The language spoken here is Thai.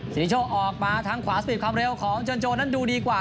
ศรีโชคออกมาทางขวาสปีดความเร็วของเจินโจนั้นดูดีกว่า